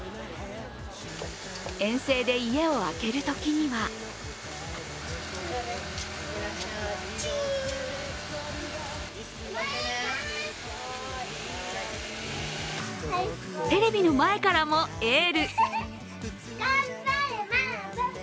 遠征で家を空けるときにはテレビの前からもエール。